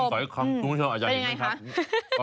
ผมไม่ชอบอาจารย์ดิครับ